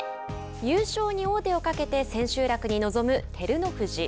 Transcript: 優勝に王手をかけて千秋楽に臨む照ノ富士。